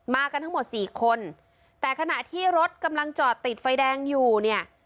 กันทั้งหมดสี่คนแต่ขณะที่รถกำลังจอดติดไฟแดงอยู่เนี่ย